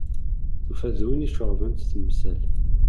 Tufa-t d win i iceɣben-tt temsal.